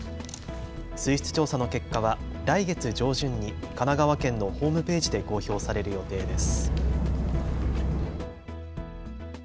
水質調査の結果は来月上旬に神奈川県のホームページで公表される予定です。